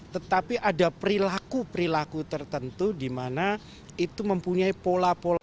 tetapi ada perilaku perilaku tertentu di mana itu mempunyai pola pola